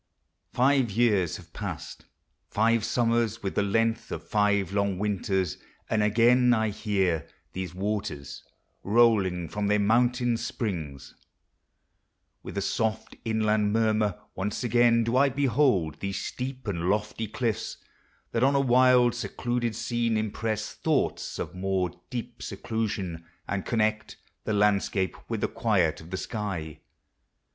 Five years have past; five summers, with the length Of five long winters! and again 1 hear These waters,* rolling from their mountain springs With a soft inland murmur.— Once again Do 1 behold these sloop and lofty cliffs. That on a wild, secluded scene impress Thoughts of more deep seclusion, and conned The landscape with the quid of the sky.